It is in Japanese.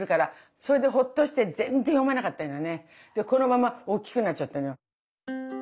それででこのままおっきくなっちゃったの。